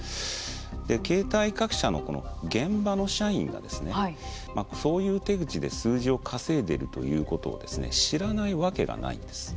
で携帯各社のこの現場の社員がそういう手口で数字を稼いでいるということを知らないわけがないんです。